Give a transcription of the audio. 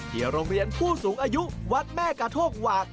โรงเรียนผู้สูงอายุวัดแม่กระโทกหวาก